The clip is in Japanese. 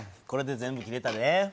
これで全部切れたで。